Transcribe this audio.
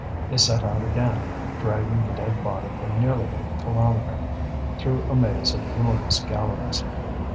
They set out again, dragging the dead body for nearly a kilometre, through a maze of ruinous galleries.